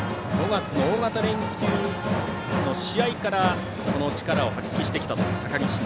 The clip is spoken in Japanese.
５月の大型連休の試合から力を発揮してきたという高木真心。